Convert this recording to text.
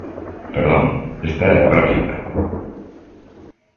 Perdón, esta é a gráfica.